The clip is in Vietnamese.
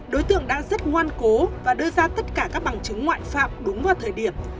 đối tượng đã rất ngoan cố và đưa ra tất cả các bằng chứng ngoại phạm đúng vào thời điểm